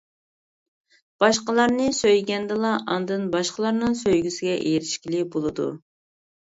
باشقىلارنى سۆيگەندىلا ئاندىن باشقىلارنىڭ سۆيگۈسىگە ئېرىشكىلى بولىدۇ.